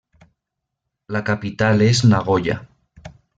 La capital és Nagoya.